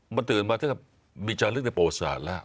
มันตื่นมาแล้วครับมีจารย์เรื่องในประวัติศาสตร์แล้ว